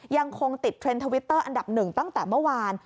ยังคงติดเทรนด์ทวิตเตอร์อันดับหนึ่งตั้งแต่เมื่อวาน